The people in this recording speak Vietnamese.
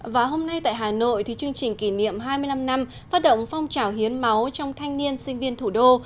và hôm nay tại hà nội thì chương trình kỷ niệm hai mươi năm năm phát động phong trào hiến máu trong thanh niên sinh viên thủ đô